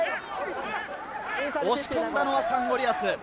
押し込んだのはサンゴリアス。